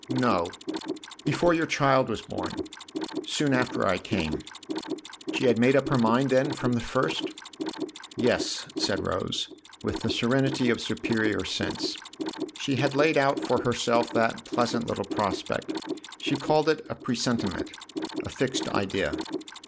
"No; before your child was born. Soon after I came." " She had made up her mind then from the first ?" THE OTHER HOUSE 35 "Yes," said Rose, with the serenity of superior sense; "she had laid out for herself that pleasant little prospect. She called it a presentiment, a fixed idea."